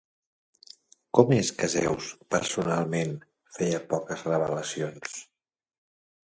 Com és que Zeus, personalment, feia poques revelacions?